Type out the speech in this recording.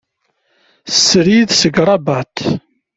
Srid seg Ṛebbat.